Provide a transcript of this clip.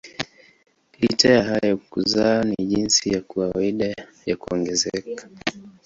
Licha ya hayo kuzaa ni jinsi ya kawaida ya kuongezeka.